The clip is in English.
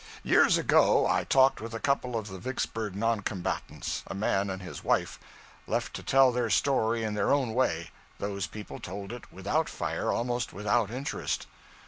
Years ago, I talked with a couple of the Vicksburg non combatants a man and his wife. Left to tell their story in their own way, those people told it without fire, almost without interest.